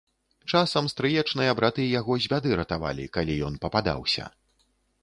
Часам стрыечныя браты яго з бяды ратавалі, калі ён пападаўся.